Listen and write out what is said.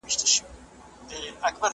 کتابتونونه د پوهي سرچينې دي.